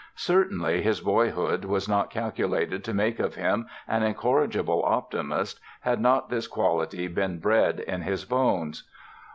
Certainly, his boyhood was not calculated to make of him an incorrigible optimist had not this quality been bred in his bones.